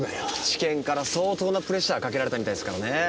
地検から相当なプレッシャーかけられたみたいですからね。